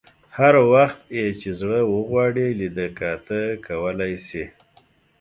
هر وخت یې چې زړه وغواړي لیده کاته کولای شي.